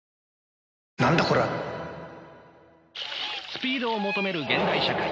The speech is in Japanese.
スピードを求める現代社会。